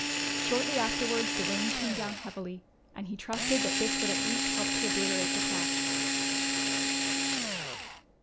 Shortly afterwards the rain came down heavily and he trusted that this would at least help to obliterate the tracks.